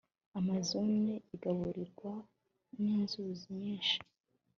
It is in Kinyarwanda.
amazone igaburirwa ninzuzi nyinshi